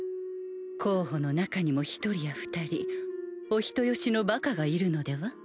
候補の中にも１人や２人お人よしのバカがいるのでは？